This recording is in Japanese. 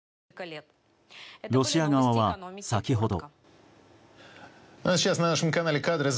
ロシア側は先ほど。